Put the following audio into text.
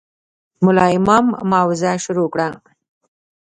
ملا امام موعظه شروع کړه.